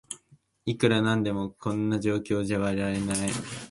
いくらなんでもこんな状況じゃ笑えない